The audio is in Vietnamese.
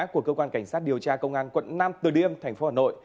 của cơ quan cảnh sát điều tra công an quận năm từ điêm thành phố hà nội